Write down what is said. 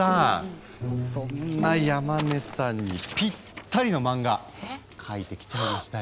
そんな山根さんにぴったりの漫画描いてきちゃいましたよ。